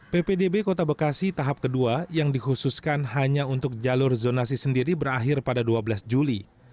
ppdb kota bekasi tahap kedua yang dikhususkan hanya untuk jalur zonasi sendiri berakhir pada dua belas juli